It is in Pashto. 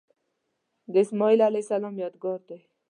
د اسمیل علیه السلام یادګار دی.